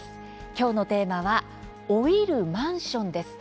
今日のテーマは「老いるマンション」です。